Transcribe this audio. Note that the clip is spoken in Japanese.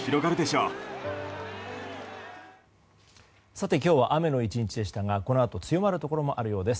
さて、今日は雨の１日でしたがこのあと強まるところもあるようです。